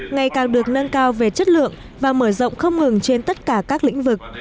ngày càng được nâng cao về chất lượng và mở rộng không ngừng trên tất cả các lĩnh vực